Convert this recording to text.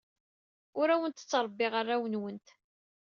Ur awent-ttṛebbiɣ arraw-nwent.